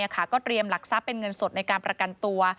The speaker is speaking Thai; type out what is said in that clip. ก็เตรียมหลักทรัพย์เป็นเงินสดในการประกันตัว